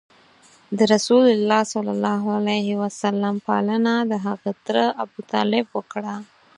رسول الله ﷺ پالنه دهغه تره ابو طالب وکړه.